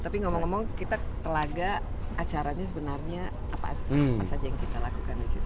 tapi ngomong ngomong kita telaga acaranya sebenarnya apa saja yang kita lakukan di situ